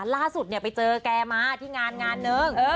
ล่าสุดไปเจอแกมาที่งานงานนึง